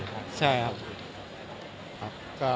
โปรดติดตามตอนต่อไป